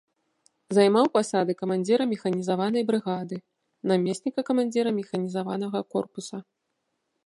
Займаў пасады камандзіра механізаванай брыгады, намесніка камандзіра механізаванага корпуса.